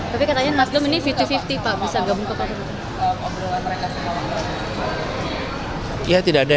tapi katanya nasdem ini v dua vv pak bisa gabung ke pak prabowo